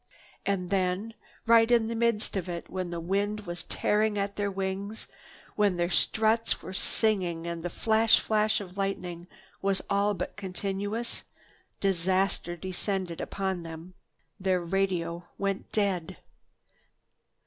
And then, right in the midst of it, when the wind was tearing at their wings, when their struts were singing and the flash flash of lightning was all but continuous, disaster descended upon them. Their radio went dead.